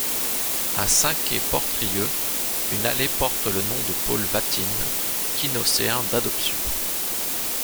A Saint-Quay-Portrieux, une allée porte le nom de Paul Vatine, quinocéen d'adoption.